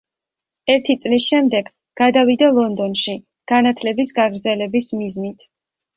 ერთი წლის შემდეგ გადავიდა ლონდონში, განათლების გაგრძელების მიზნით.